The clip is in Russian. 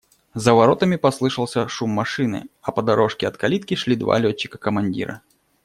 За воротами послышался шум машины, а по дорожке от калитки шли два летчика-командира.